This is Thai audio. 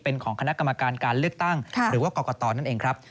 เป็นของคณะกรรมการการเลือกตั้งหรือว่ากรกตนั่นเองครับ